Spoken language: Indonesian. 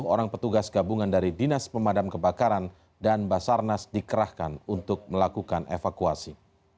sepuluh orang petugas gabungan dari dinas pemadam kebakaran dan basarnas dikerahkan untuk melakukan evakuasi